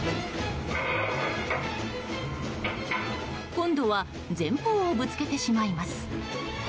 今度は前方をぶつけてしまいます。